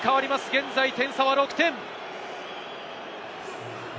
現在、点差は６点。